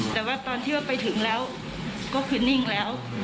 แต่ว่าตอนที่ว่าไปถึงแล้วก็คือนิ่งแล้ว